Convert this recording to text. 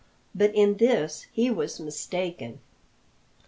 But in this he was mistaken.